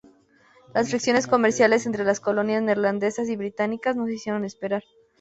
Las fricciones comerciales entre las colonias neerlandesas y británicas no se hicieron esperar.